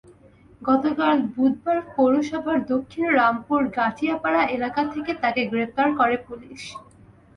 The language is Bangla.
গতকাল বুধবার পৌরসভার দক্ষিণ রামপুর গাটিয়াপাড়া এলাকা থেকে তাঁকে গ্রেপ্তার করে পুলিশ।